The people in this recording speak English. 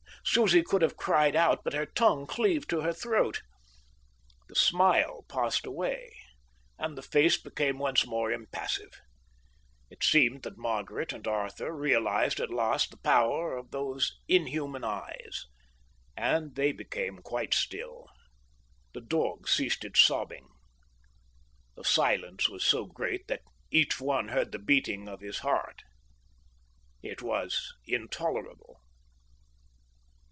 Susie could have cried out, but her tongue cleaved to her throat. The smile passed away, and the face became once more impassive. It seemed that Margaret and Arthur realized at last the power of those inhuman eyes, and they became quite still. The dog ceased its sobbing. The silence was so great that each one heard the beating of his heart. It was intolerable.